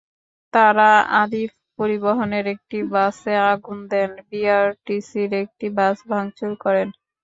তাঁরা আলিফ পরিবহনের একটি বাসে আগুন দেন, বিআরটিসির একটি বাস ভাঙচুর করেন।